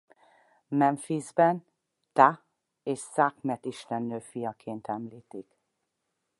Memphiszben Ptah és Szahmet istennő fiaként említik.